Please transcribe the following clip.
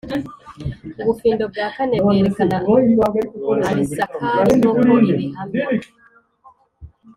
Ubufindo bwa kane bwerekana Abisakari nk uko ibihamya